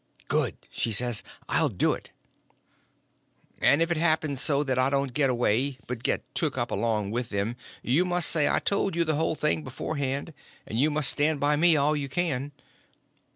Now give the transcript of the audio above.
"Good," she says, "I'll do it." "And if it just happens so that I don't get away, but get took up along with them, you must up and say I told you the whole thing beforehand, and you must stand by me all you can."